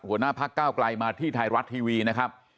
หัวหน้าพักเก้าไกลมาที่ไทยรัฐทีวีนะครับ